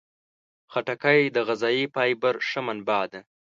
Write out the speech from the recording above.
خټکی د غذايي فایبر ښه منبع ده.